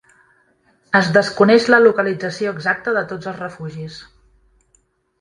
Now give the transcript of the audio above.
Es desconeix la localització exacta de tots els refugis.